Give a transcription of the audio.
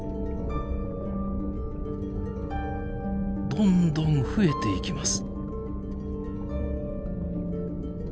どんどん増えていきます。